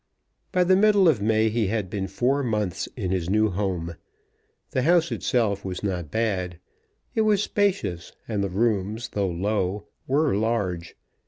By the middle of May he had been four months in his new home. The house itself was not bad. It was spacious; and the rooms, though low, were large.